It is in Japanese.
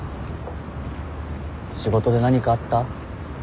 仕事で何かあった？